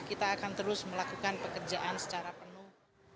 kita akan terus melakukan pekerjaan secara penuh